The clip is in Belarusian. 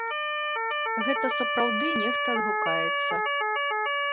Гэта сапраўды нехта адгукаецца.